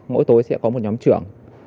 mỗi tối sẽ có một nhóm trưởng